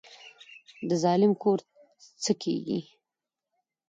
د ظالم کور څه کیږي؟